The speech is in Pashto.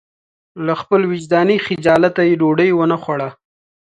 له خپل وجداني خجالته یې ډوډۍ ونه خوړه.